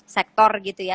sektor gitu ya